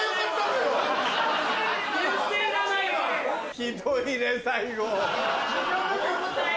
ひどいね最後。